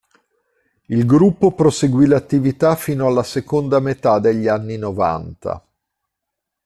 Il gruppo proseguì l'attività fino alla seconda metà degli anni novanta.